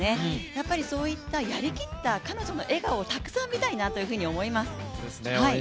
やっぱりそういったやりきった彼女の笑顔をたくさんみたいなと思います。